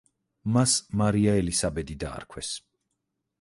მას მარია ელისაბედი დაარქვეს.